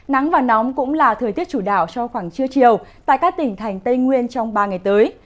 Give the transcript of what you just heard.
nắng và nóng cũng là thời tiết chủ đạo cho khoảng trưa chiều tại các tỉnh thành tây nguyên trong ba ngày tới